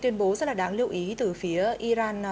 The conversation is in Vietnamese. tuyên bố rất là đáng lưu ý từ phía iran